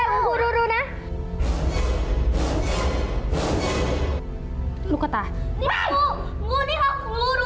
โรคูดูนะครับ